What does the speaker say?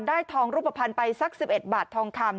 ทองรูปภัณฑ์ไปสัก๑๑บาททองคำ